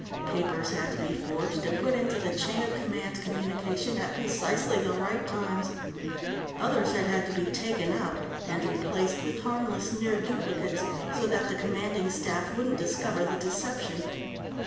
Papers had to be forged and put into the chain of command communication at precisely the right times; others had had to be taken out and replaced with harmless near duplicates so that the Commanding Staff wouldn't discover the deception.